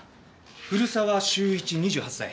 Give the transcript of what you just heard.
古沢周一２８歳。